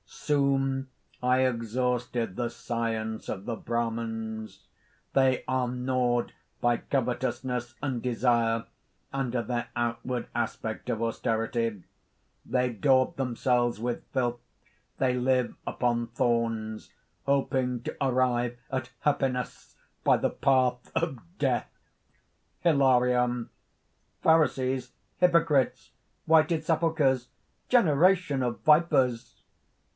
"Soon I exhausted the science of the Brahmans. They are gnawed by covetousness and desire under their outward aspect of austerity; they daub themselves with filth, they live upon thorns, hoping to arrive at happiness by the path of death!" HILARION.... "Pharisees, hypocrites, whited sepulchres, generation of vipers!"